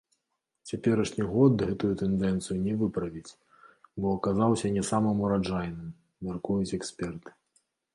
Цяперашні год гэтую тэндэнцыю не выправіць, бо аказаўся не самым ураджайным, мяркуюць эксперты.